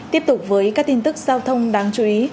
tiếp tục với các tin tức giao thông đáng chú ý